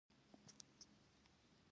د پښتنو په کلتور کې د جامو رنګونه مانا لري.